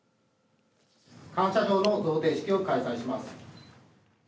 感謝状の贈呈式を開催します。